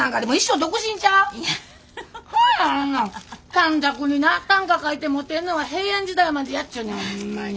短冊にな短歌書いてモテんのは平安時代までやっちゅうねんホンマに。